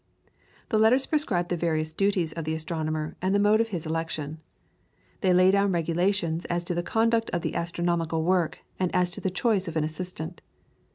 The letters prescribe the various duties of the astronomer and the mode of his election. They lay down regulations as to the conduct of the astronomical work, and as to the choice of an assistant.